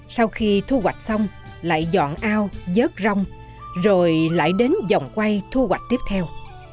sau khi thu hoạch xong lại dọn ao dớt rông rồi lại đến dòng quay thu hoạch tiếp theo